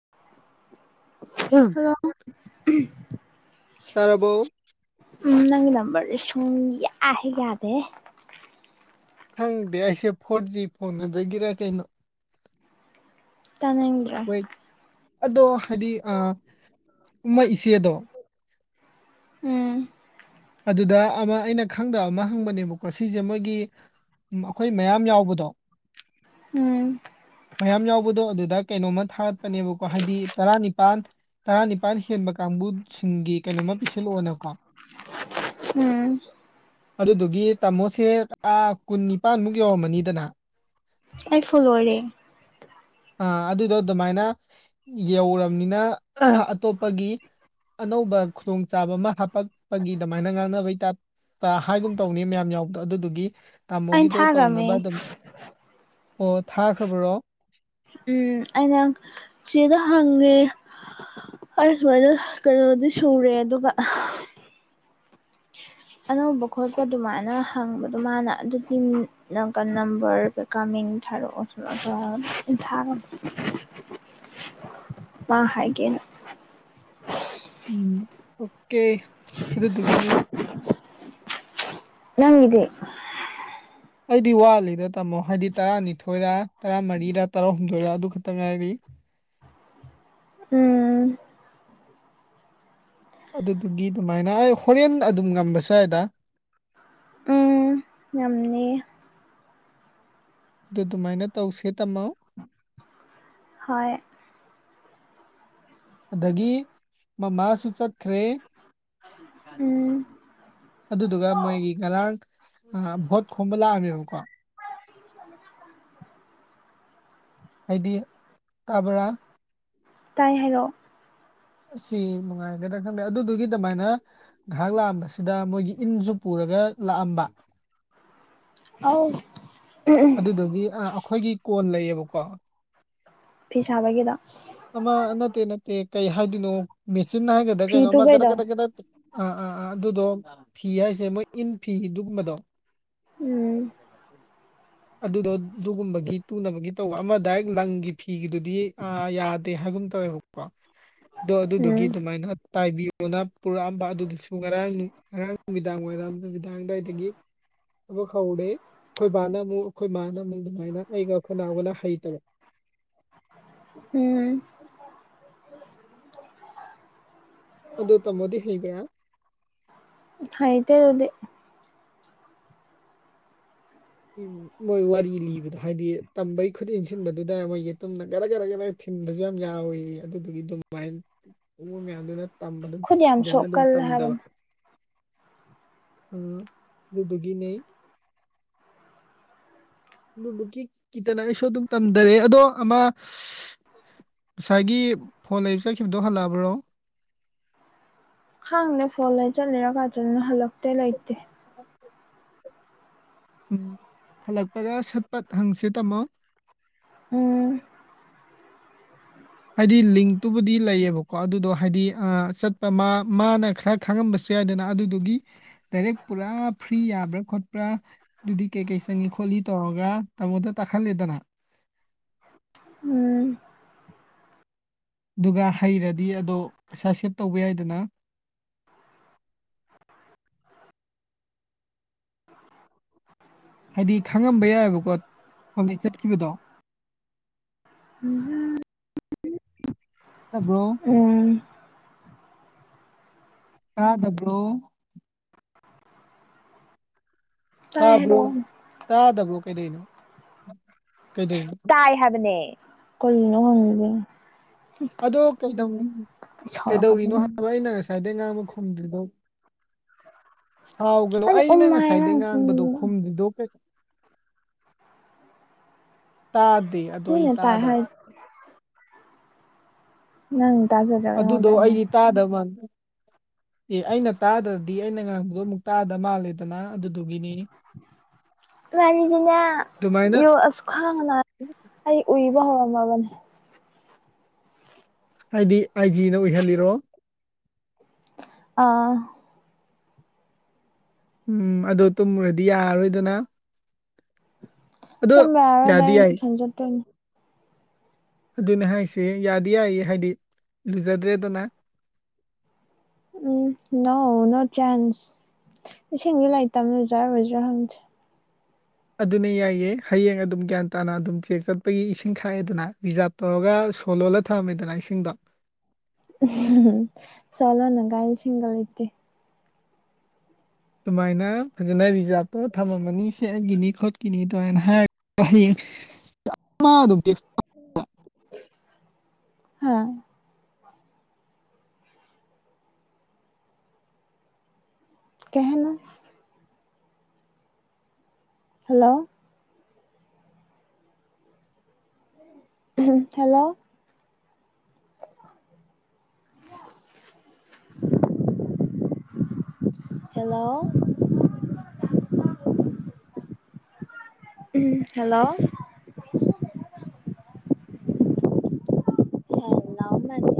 [inaudible] ꯑ ꯍꯜꯂꯣ ꯇꯥꯔꯔꯕꯣ ꯎꯝ ꯅꯪꯒꯤ ꯅꯝꯕꯔꯁꯦ ꯁꯨꯡ ꯌꯥꯦ ꯌꯥꯗꯦ ꯍꯪꯗꯦ ꯑꯩꯁꯦ ꯐꯣꯔ ꯖꯤ ꯐꯣꯟ ꯑꯗꯨꯗꯒꯤꯔ ꯀꯩꯅꯣ ꯇ ꯅꯅꯤꯡ꯭ꯔ ꯍꯣꯏ ꯑꯗꯣ ꯍꯥꯏꯗꯤ ꯃꯣꯏ ꯏꯆꯦꯗꯣ ꯎꯝ ꯑꯗꯨꯗ ꯑꯃ ꯑꯩꯅ ꯈꯪꯗꯕ ꯑꯃ ꯍꯪꯕꯅꯦꯕꯀꯣ ꯁꯤꯁꯦ ꯃꯣꯏꯒꯤ ꯑꯩꯈꯣꯏ ꯃꯌꯥꯝ ꯌꯥꯎꯕꯗꯣ ꯎꯝ ꯃꯌꯥꯝ ꯌꯥꯎꯕꯗꯣ ꯑꯗꯨꯗ ꯀꯩꯅꯣꯝꯃ ꯊꯥꯒꯠꯄꯅꯦꯕꯀꯣ ꯍꯥꯏꯗꯤ ꯇꯔꯥꯅꯤꯄꯥꯜ ꯇꯔꯥꯅꯤꯄꯥꯜ ꯍꯦꯟꯕ ꯀꯥꯡꯕꯨꯁꯤꯡꯒꯤ ꯀꯩꯅꯣꯃ ꯄꯤꯁꯜꯂꯛꯑꯣꯅꯀꯣ ꯎꯝ ꯑꯗꯨꯗꯨꯒꯤ ꯇꯥꯃꯣꯁꯦ ꯀꯨꯟ ꯅꯤꯄꯥꯟꯃꯨꯛ ꯌꯧꯔꯝꯃꯅꯤꯗꯅ ꯑꯩ ꯐꯜꯔꯦ ꯑ ꯑꯗꯨꯗꯣ ꯑꯗꯨꯃꯥꯏꯅ ꯌꯧꯔꯕꯅꯤꯅ ꯑꯇꯣꯞꯄꯒꯤ ꯑꯅꯧꯕ ꯈꯨꯗꯣꯡꯆꯥꯥꯕ ꯑꯃ ꯍꯥꯞꯄꯛꯄꯒꯤ ꯑꯗꯨꯃꯥꯏꯅ ꯉꯥꯡꯅꯕꯩ ꯇꯞ ꯍꯥꯏꯒꯨꯝ ꯇꯧꯅꯤ ꯃꯌꯥꯝ ꯌꯥꯎꯕꯗꯣ ꯑꯗꯨꯗꯨꯒꯤ ꯑꯩꯅ ꯇꯥꯃꯣꯒꯤꯗꯣ ꯇꯧꯅꯕ ꯊꯥꯈ꯭ꯔꯕꯅꯦ ꯑꯗꯨꯝ ꯑꯣ ꯊꯥꯈ꯭ꯔꯕꯔꯣ ꯎꯝ ꯑꯩꯅ ꯆꯦꯗ ꯍꯪꯉꯦ ꯑꯩ ꯁꯨꯃꯥꯏꯅ ꯀꯩꯅꯣꯗꯤ ꯁꯨꯔꯦ ꯑꯗꯨꯒ ꯑꯅꯧꯕ ꯈꯣꯠꯄ ꯑꯗꯨꯃꯥꯏꯅ ꯍꯪꯕꯗꯣ ꯃꯥꯅ ꯑꯗꯨꯒꯤꯀ ꯅꯝꯕꯔ ꯀꯥꯃꯤꯡ ꯊꯥꯔꯛꯑꯣꯁꯨ ꯑꯗꯨꯒ ꯏꯊꯥ ꯃꯥ ꯍꯥꯏꯦꯅ ꯎꯝ ꯑꯣꯀꯦ ꯑꯗꯨꯗꯨꯒꯅꯤ ꯅꯪꯗꯤ ꯑꯩꯗꯤ ꯋꯥꯠꯂꯤꯗ ꯇꯥꯃꯣ ꯍꯥꯏꯗꯤ ꯇꯔꯥꯅꯤꯊꯣꯏꯔꯥ ꯇꯔꯥꯃꯔꯤꯔ ꯇꯔꯥꯍꯨꯝꯗꯣꯏꯔꯥ ꯑꯗꯨ ꯈꯛꯇ ꯉꯥꯏꯔꯤꯒꯤ ꯎꯝ ꯑꯗꯨꯗꯨꯒꯤ ꯑꯗꯨꯃꯥꯏꯅ ꯑꯩ ꯍꯣꯔꯦꯟ ꯑꯗꯨꯝ ꯉꯝꯕꯁꯨ ꯌꯥꯏꯗꯥ꯫ ꯉꯝꯅꯤ꯫ ꯑꯗꯨ ꯑꯗꯨꯃꯥꯏꯅ ꯇꯧꯁꯦ ꯇꯝꯃꯣ ꯍꯣꯏ ꯑꯗꯒꯤ ꯃꯃꯥꯁꯨ ꯆꯠꯈ꯭ꯔꯦ꯫ ꯎꯝ ꯑꯗꯨꯗꯨꯒ ꯃꯣꯏꯒꯤ ꯉꯔꯥꯡ ꯚꯣꯠ ꯈꯣꯝꯕ ꯂꯥꯛꯑꯃꯦꯕꯀꯣ ꯍꯥꯏꯗꯤ ꯀꯥꯕ꯭ꯔꯥ ꯇꯥꯏ ꯍꯥꯏꯔꯛꯑꯣ ꯑꯁꯤ ꯅꯨꯡꯉꯥꯏꯒꯦꯗ ꯈꯪꯗꯦ ꯑꯗꯨꯗꯨꯒꯤ ꯑꯗꯨꯃꯥꯏꯅ ꯉꯥꯏꯍꯥꯛ ꯂꯥꯛꯑꯝꯕꯁꯤꯗ ꯃꯣꯏꯒꯤ ꯏꯟꯁꯨ ꯄꯨꯔꯒ ꯂꯥꯛꯑꯝꯕ ꯑꯥꯎ ꯑꯗꯨꯗꯒꯤ ꯑ ꯑꯩꯈꯣꯏꯒꯤ ꯀꯣꯟ ꯂꯩꯌꯦꯕꯀꯣ ꯐꯤ ꯁꯥꯕꯒꯤꯗ ꯑꯃ ꯅꯠꯇꯦ ꯅꯠꯇꯦ ꯀꯩ ꯍꯥꯏꯗꯣꯏꯅꯣ ꯃꯦꯆꯤꯤꯟ ꯍꯥꯏꯒꯗ꯭ꯔ ꯐꯤ ꯀꯩꯅꯣ ꯑꯃ ꯀꯗꯛ ꯇꯨꯕꯩꯗꯣ ꯀꯗ ꯀꯗ ꯑꯥ ꯑꯥ ꯑꯥ ꯑꯗꯨꯗꯣ ꯐꯤ ꯍꯥꯏꯁꯦ ꯃꯣꯏ ꯏꯟ ꯐꯤ ꯑꯗꯨꯒꯨꯝꯕꯗꯣ ꯎꯝ ꯑꯗꯨꯗꯣ ꯑꯗꯨꯒꯨꯝꯕꯒꯤ ꯇꯨꯅꯕꯒꯤ ꯇꯧꯕ ꯑꯃ ꯗꯥꯏ ꯂꯪꯒꯤ ꯐꯤꯒꯤꯗꯨꯗꯤ ꯑ ꯌꯥꯗꯦ ꯍꯥꯏꯒꯨꯝ ꯇꯧꯋꯦꯕ꯫ ꯑꯗꯣ ꯑꯗꯨꯗꯨꯒꯤ ꯎꯝ ꯑꯗꯨꯃꯥꯏꯅ ꯇꯥꯏꯕꯤꯌꯣꯅ ꯄꯨꯔꯛꯑꯝꯕ ꯑꯗꯨꯗꯨꯁꯨ ꯉꯔꯥꯡ ꯉꯔꯥꯡ ꯅꯨꯃꯤꯗꯥꯡ ꯋꯥꯏꯔꯝ ꯅꯨꯃꯤꯗꯥꯡꯗꯋꯥꯏꯗꯒꯤ ꯊꯕꯛ ꯍꯧꯔꯦ ꯑꯩꯈꯣꯏ ꯕꯥꯅ ꯑꯃꯨꯛ ꯑꯩꯈꯣꯏ ꯃꯥꯅ ꯑꯃꯨꯛ ꯑꯗꯨꯃꯥꯏꯅ ꯑꯩꯒ ꯑꯩꯈꯣꯏꯅꯒꯣꯟꯅ ꯍꯩꯇꯕ ꯎꯝ ꯑꯗꯨꯗ ꯇ ꯃꯣꯗꯤ ꯍꯦꯡꯕ꯭ꯔ ꯍꯥꯏꯇꯦ ꯑꯗꯨꯗꯤ ꯎꯝ ꯃꯣꯏ ꯋꯥꯔꯤ ꯂꯤꯕꯗꯣ ꯍꯥꯏꯗꯤ ꯇꯝꯕꯩ ꯈꯨꯠ ꯏ ꯁꯤꯟꯕꯗꯨꯗ ꯃꯣꯏꯒꯤ ꯒꯗꯥꯛ ꯒꯥꯗꯛ ꯊꯤꯟꯕꯁꯨ ꯌꯥꯝ ꯌꯥꯎꯋꯤ ꯑꯗꯨꯗꯨꯒꯤ ꯑꯗꯨꯃꯥꯏꯅ ꯎ ꯃꯌꯥꯝꯗꯨꯅ ꯇꯝꯕ ꯑꯗꯨꯝ ꯈꯨꯠ ꯌꯥꯝ ꯑꯗꯨꯅ ꯑꯗꯨꯝ ꯁꯣꯛꯀꯜꯂꯦ ꯇꯝꯗꯕ ꯍꯥꯏꯕꯅꯤ ꯑꯗꯨꯗꯒꯤꯅꯦ꯫ ꯑꯗꯨꯗꯨ ꯀꯤꯇꯅ ꯑꯩꯁꯨ ꯑꯗꯨꯝ ꯇꯝꯊꯔꯦ ꯑꯗꯣ ꯑꯃ ꯉꯁꯥꯏꯒꯤ ꯐꯣꯟ ꯂꯩꯕ ꯆꯠꯈꯤꯕꯗꯣ ꯍꯜꯂꯛꯑꯕ꯭ꯔꯣ ꯈꯥꯡꯗꯦ ꯐꯣꯟ ꯂꯩ ꯆꯠꯂꯔ ꯀꯥ ꯆꯠꯅ ꯍꯜꯂꯛꯇꯦ ꯂꯩꯇꯦ꯫ ꯎꯝ ꯍꯜꯂꯛꯄꯒ ꯁꯠꯄꯠ ꯍꯪꯁꯦ ꯇꯥꯃꯣ ꯎꯝ ꯍꯥꯏꯗꯤ ꯂꯤꯡꯇꯨꯕꯨꯗꯤ ꯂꯩꯌꯦꯕꯀꯣ ꯑꯗꯨꯗꯣ ꯍꯥꯏꯗꯤ ꯑ ꯆꯠꯄ ꯃꯥ ꯃꯥꯅ ꯈꯔ ꯈꯪꯉꯝꯕꯁꯨ ꯌꯥꯏꯗꯅ ꯑꯗꯨꯗꯨꯒꯤ ꯗꯥꯏꯔꯦꯛ ꯄꯨꯔꯥ ꯐ꯭ꯔꯤ ꯌꯥꯕ꯭ꯔꯥ ꯈꯣꯠꯄ꯭ꯔꯥ ꯑꯗꯨꯗꯤ ꯀꯩꯀꯩ ꯆꯪꯉ ꯈꯣꯠꯂꯤ ꯇꯧꯔꯒ ꯇꯥꯃꯣꯗ ꯇꯥꯛꯍꯜꯂꯦꯗꯅ ꯎꯝ ꯑꯗꯨꯒ ꯍꯩꯔꯗꯤ ꯑꯗꯣ ꯄꯩꯁꯥ ꯁꯦꯞ ꯇꯧꯕ ꯌꯥꯏꯗꯅ ꯍꯥꯏꯗꯤ ꯈꯪꯉꯝꯕ ꯌꯥꯏꯑꯕꯀꯣ ꯄꯩ ꯆꯠꯈꯤꯕꯗꯣ ꯎꯝ ꯕ꯭ꯔꯣ ꯎꯝ ꯇꯥꯗꯕꯔꯣ ꯇꯥꯏ ꯇꯥꯕ꯭ꯔꯣ ꯍꯥꯏꯔꯛꯑꯣ ꯇꯥꯗꯕ꯭ꯔꯣ ꯀꯩꯗꯩꯅꯣ ꯀꯩꯗꯅꯣ ꯇꯏ ꯍꯥꯏꯕꯅꯦ ꯀꯜꯅꯣ ꯍꯪꯒꯦ꯫ ꯑꯗꯣ ꯀꯩꯗꯧ ꯀꯩꯗꯧꯔꯤꯅꯣ ꯁꯥꯎꯔꯛꯀꯗꯣꯏꯅꯤ ꯍꯥꯏꯕ ꯑꯩꯅ ꯉꯁꯥꯏꯗꯒꯤꯩ ꯉꯥꯡꯕ ꯈꯨꯝꯗ꯭ꯔꯤꯗꯣ꯫ ꯁꯥꯎꯒꯂꯣ ꯎꯝ ꯑꯩꯅ ꯍꯥꯏ ꯉꯁꯥꯏꯗꯩ ꯅꯪ ꯎꯝ ꯉꯥꯡꯕꯗꯣ ꯈꯨꯝꯗ꯭ꯔꯤꯗꯣ ꯀꯩ ꯇꯥꯗꯦ ꯑꯗꯣ ꯑꯩ ꯃꯤꯅ ꯇꯥꯗꯕ [inaudible] ꯅꯪ ꯇꯖꯔꯗꯔ ꯑꯗꯨꯗꯣ ꯑꯩꯗꯤ ꯇꯥꯗꯕꯗ ꯑꯦ ꯑꯩꯅ ꯇꯥꯗ꯭ꯔꯗꯤ ꯑꯩꯅ ꯉꯥꯡꯕꯗꯣ ꯑꯃꯨꯛ ꯇꯥꯗ ꯃꯥꯜꯂꯦꯗꯅ ꯑꯗꯨꯗꯨꯒꯤꯅꯤ꯫ ꯔꯅꯤꯅ ꯑꯗꯨꯃꯥꯏꯅ ꯏꯣ ꯑꯁꯈꯥꯡ ꯑꯩ ꯎꯏꯕ ꯍ ꯃꯥꯕꯅꯦ ꯍꯥꯏꯗꯤ ꯑꯥꯏꯖꯤꯅ ꯑꯣꯏꯍꯜꯂꯤꯔꯣ ꯑ ꯎꯝ ꯑꯗꯣ ꯇꯨꯝꯃꯨꯔꯗꯤ ꯌꯥꯔꯔꯣꯏꯗꯅ ꯑꯗꯣ ꯙꯏ ꯍꯖꯠꯇ ꯑꯗꯨꯅꯦ ꯍꯥꯏꯁꯦ ꯌꯥꯗꯤ ꯌꯥꯏ ꯍꯥꯏꯗꯤ ꯂꯨꯖꯗ꯭ꯔꯦꯗꯅ ꯎꯝ ꯅꯣ ꯅꯣ ꯆꯥꯟꯁ ꯏꯁꯤꯡꯗꯤ ꯂꯥꯏꯔꯤꯛ ꯇꯝꯅ ꯆꯥꯔꯨꯣꯏꯁꯨꯥ ꯍꯪꯗꯦ ꯑꯗꯨꯅꯦ ꯌꯥꯏꯌꯦ ꯍꯌꯦꯡ ꯑꯗꯨꯝ ꯒ꯭ꯌꯥꯟ ꯇꯥꯅ ꯑꯗꯨꯝ ꯆꯦꯛ ꯆꯠꯄꯒꯤ ꯏꯁꯤꯡ ꯈꯥꯏꯑꯦꯗꯅ ꯔꯤꯖꯥꯕ ꯇꯧꯔꯒ ꯁꯣꯂꯣꯂ ꯊꯝꯃꯦꯗꯅ ꯏꯁꯤꯡꯗꯣ ꯝ ꯆꯂꯅ ꯥꯏꯜ ꯁꯤꯒꯜꯇꯦ ꯑꯗꯨꯃꯥꯏꯅ ꯐꯖꯅ ꯔꯤꯖꯥꯕꯇꯣ ꯊꯝꯃꯝꯃꯅꯤ ꯁꯦꯒꯤꯅꯤ ꯈꯣꯠ ꯀꯤꯅꯤ ꯇꯧꯅ ꯍꯥꯏꯔ ꯍꯌꯦꯡ ꯑꯗꯨꯝ ꯍꯥꯥ ꯀꯍꯅ ꯍꯜꯂꯣ ꯍꯂꯣ ꯍꯦꯜꯂꯣ ꯍꯜꯂꯣ ꯑꯥꯎ ꯃꯥꯅꯦ